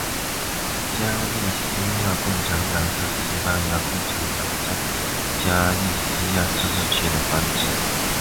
加利西亚共产党是西班牙共产党在加利西亚自治区的分支。